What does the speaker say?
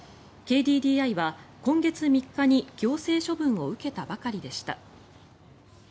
ＫＤＤＩは今月３日に行政処分を受けたばかりでした。